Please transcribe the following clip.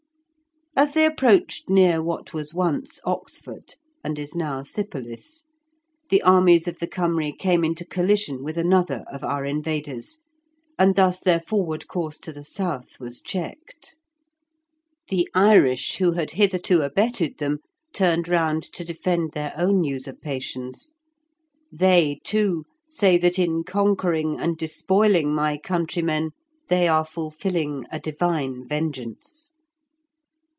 As they approached near what was once Oxford and is now Sypolis, the armies of the Cymry came into collision with another of our invaders, and thus their forward course to the south was checked. The Irish, who had hitherto abetted them, turned round to defend their own usurpations. They, too, say that in conquering and despoiling my countrymen they are fulfilling a divine vengeance.